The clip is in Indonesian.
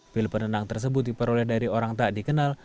pil penenang tersebut diperoleh dari orang tak dikenal